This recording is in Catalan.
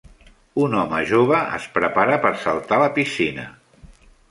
Un home jove es prepara per saltar a la piscina